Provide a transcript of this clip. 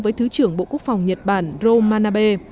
với thứ trưởng bộ quốc phòng nhật bản roh manabe